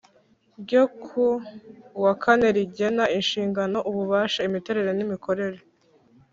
ryo ku wa kane rigena inshingano ububasha imiterere n imikorere